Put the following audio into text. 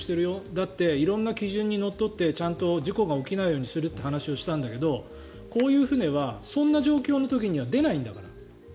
だって、色んな基準にのっとって事故が起きないようにするってしたんだけどそんな状況の時には出ないんだから。